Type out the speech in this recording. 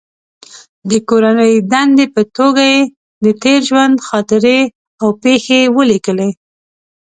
د کورنۍ دندې په توګه یې د تېر ژوند خاطرې او پېښې ولیکلې.